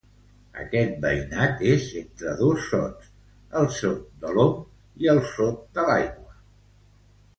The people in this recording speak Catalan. Aquest veïnat és entre dos sots, el sot de l'Om i el sot de l'aigua.